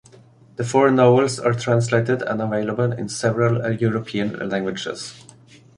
The four novels are translated and available in several European languages.